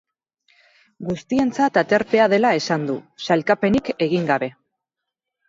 Guztientzat aterpea dela esan du, sailkapenik egin gabe.